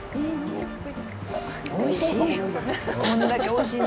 おいしい。